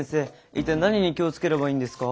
一体何に気を付ければいいんですか？